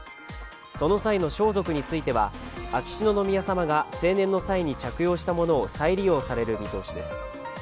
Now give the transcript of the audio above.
その際の装束については、秋篠宮さまが成年の際に着用したものを再利用される見通しです。